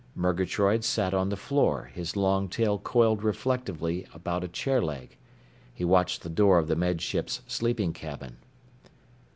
Murgatroyd sat on the floor, his long tail coiled reflectively about a chair leg. He watched the door of the Med Ship's sleeping cabin.